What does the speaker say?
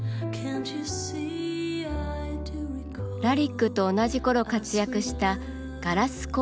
ラリックと同じ頃活躍したガラス